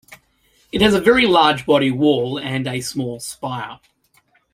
It has a very large body whorl and a small spire.